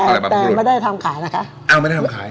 แต่แต่ไม่ได้ทำขายนะคะอ้าวไม่ได้ทำขาย